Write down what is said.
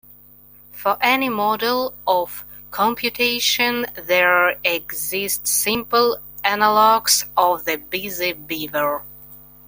For any model of computation there exist simple analogs of the busy beaver.